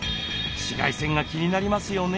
紫外線が気になりますよね。